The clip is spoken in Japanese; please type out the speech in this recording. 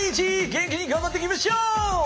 元気に頑張っていきましょう！